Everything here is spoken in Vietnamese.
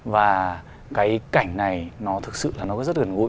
và cái cảnh này nó thực sự là nó rất gần gũi